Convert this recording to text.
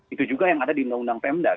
itu juga yang ada di undang undang pemda